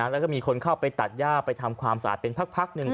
แล้วก็มีคนเข้าไปตัดย่าไปทำความสะอาดเป็นพักหนึ่ง